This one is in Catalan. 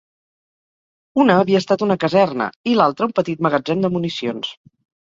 Una havia estat una caserna i l'altra un petit magatzem de municions.